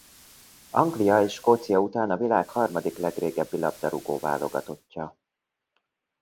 Anglia és Skócia után a világ harmadik legrégebbi labdarúgó-válogatottja.